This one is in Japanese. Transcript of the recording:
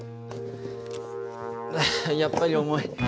やっぱり重い。